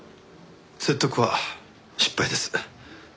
説得は失敗です。